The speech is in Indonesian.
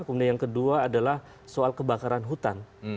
kemudian yang kedua adalah soal kebakaran hutan